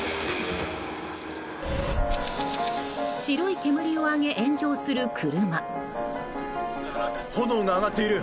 白い煙を上げ炎上する車。